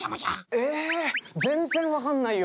えぇ全然わかんないよ。